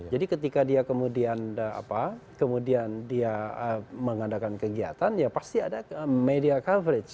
jadi ketika dia kemudian mengadakan kegiatan ya pasti ada media coverage